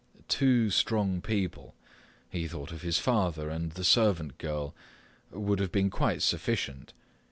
Two strong people—he thought of his father and the servant girl—would have been quite sufficient.